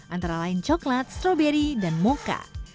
antara lain coklat stroberi dan mocha